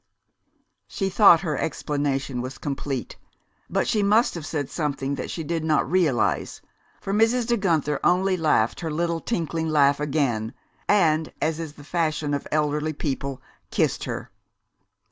She thought her explanation was complete. But she must have said something that she did not realize, for Mrs. De Guenther only laughed her little tinkling laugh again, and as is the fashion of elderly people kissed her.